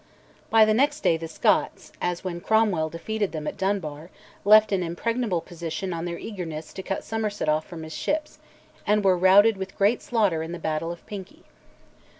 But next day the Scots, as when Cromwell defeated them at Dunbar, left an impregnable position in their eagerness to cut Somerset off from his ships, and were routed with great slaughter in the battle of Pinkie.